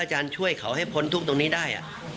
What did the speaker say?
อาจารย์ช่วยเขาให้พ้นทุกข์ตรงนี้ได้